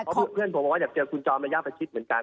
เพราะเพื่อนผมบอกว่าเดี๋ยวคุณจอมมันยากไปคิดเหมือนกัน